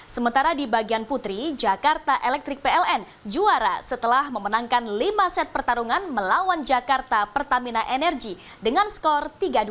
sementara di bagian putri jakarta electric pln juara setelah memenangkan lima set pertarungan melawan jakarta pertamina energy dengan skor tiga dua